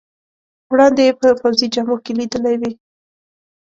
وړاندې یې په پوځي جامو کې لیدلی وې.